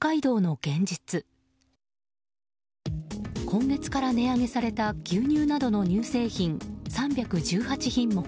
今月から値上げされた牛乳などの乳製品３１８品目。